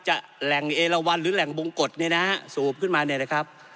แหล่งเอลวันหรือแหล่งบงกฎเนี่ยนะฮะสูบขึ้นมาเนี่ยนะครับ